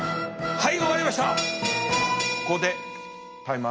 はい。